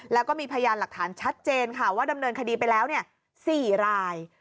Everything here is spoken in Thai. แล้วก็มีพยานหลักฐานชัดเจนค่ะว่าดำเนินคดีไปแล้ว๔ราย